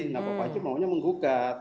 pak panji maunya menggugat